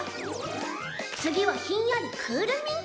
次はひんやりクールミント。